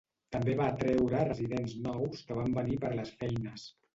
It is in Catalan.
També va atreure residents nous que van venir per les feines.